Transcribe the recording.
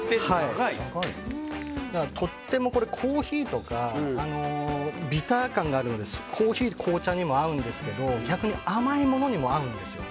とてもビター感があるのでコーヒーや紅茶に合うんですけど逆に甘いものにも合うんです。